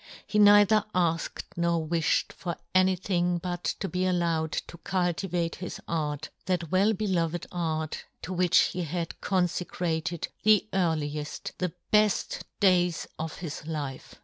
He neither afked nor wifhed for any thing but to be allowed to cultivate his art, that well beloved art, to which he had confecrated the earlieft, the beft days of his life.